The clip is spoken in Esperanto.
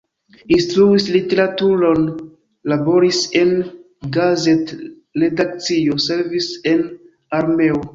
Instruis literaturon, laboris en gazet-redakcio, servis en armeo.